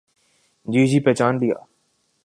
جی جی پہچان لیا۔